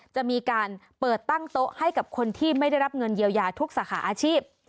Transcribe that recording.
จะมีการเปิดตั้งโต๊ะให้กับคนที่ไม่ได้รับเงินเยียวยาทุกสาขาอาชีพ